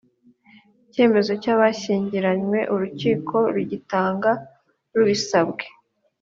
icyemezo cyabashyingiranywe urukiko rugitanga rubisabwe